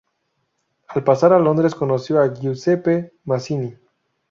Al pasar a Londres conoció a Giuseppe Mazzini.